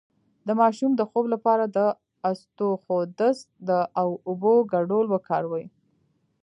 د ماشوم د خوب لپاره د اسطوخودوس او اوبو ګډول وکاروئ